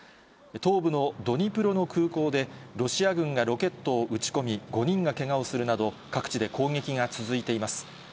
東部のドニプロの空港で、ロシア軍がロケットを打ち込み、５人がけがをするなど、各地で攻撃が続いています。